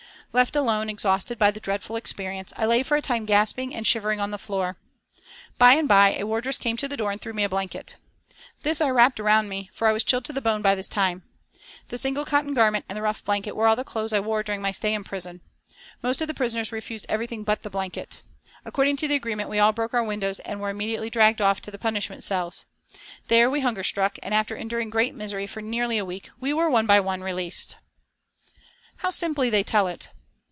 Left alone exhausted by the dreadful experience I lay for a time gasping and shivering on the floor. By and by a wardress came to the door and threw me a blanket. This I wrapped around me, for I was chilled to the bone by this time. The single cotton garment and the rough blanket were all the clothes I wore during my stay in prison. Most of the prisoners refused everything but the blanket. According to agreement we all broke our windows and were immediately dragged off to the punishment cells. There we hunger struck, and after enduring great misery for nearly a week, we were one by one released." How simply they tell it.